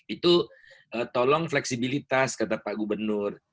itu tolong fleksibilitas kata pak gubernur